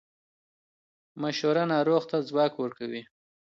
مشوره ناروغ ته ځواک ورکوي.